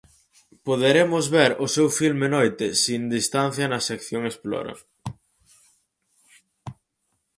Poderemos ver o seu filme Noite sen distancia na sección Explora.